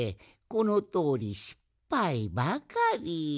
このとおりしっぱいばかり。